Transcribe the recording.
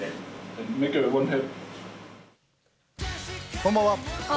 こんばんは。